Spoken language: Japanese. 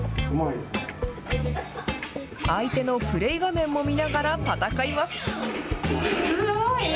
相手のプレイ画面も見ながら戦います。